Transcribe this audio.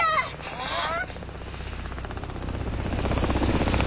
えっ？